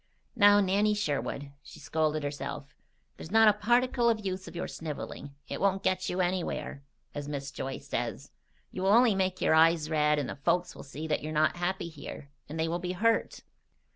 "Now, Nanny Sherwood!" she scolded herself, "there's not a particle of use of your sniveling. It won't 'get you anywhere,' as Mrs. Joyce says. You'll only make your eyes red, and the folks will see that you're not happy here, and they will be hurt.